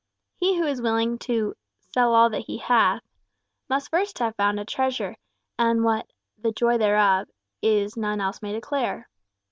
He who is willing to "sell all that he hath," must first have found a treasure, and what "the joy thereof" is none else may declare.